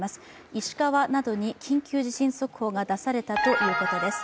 石川などに緊急地震速報が出されたということです。